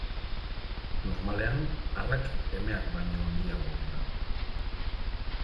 Normalean arrak emeak baino handiagoak dira.